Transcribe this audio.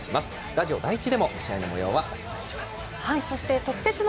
ラジオ第１でも試合のもようはお伝えします。